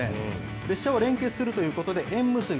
列車を連結するということで、縁結び。